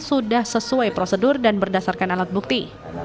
sudah sesuai prosedur dan berdasarkan alat bukti